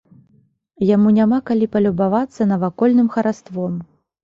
Яму няма калі палюбавацца навакольным хараством.